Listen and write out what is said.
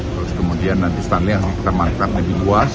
terus kemudian nanti starlink yang kita markas lebih luas